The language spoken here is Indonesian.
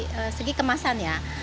dari segi kemasan ya